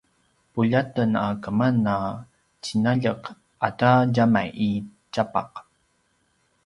puljaten a keman a tjinaljek ata djamai i tjapaq